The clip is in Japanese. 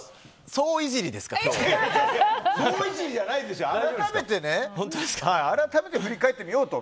総いじりじゃないですよ改めて振り返ってみようと。